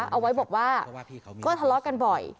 เอาไว้บอกว่าก็ทะเลาะกันบ่อย